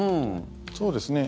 そうですね。